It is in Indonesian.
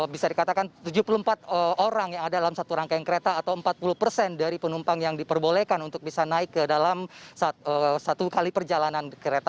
bisa dikatakan tujuh puluh empat orang yang ada dalam satu rangkaian kereta atau empat puluh persen dari penumpang yang diperbolehkan untuk bisa naik ke dalam satu kali perjalanan kereta